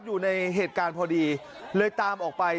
อยู่ในเหตุการณ์พอดีเลยตามออกไป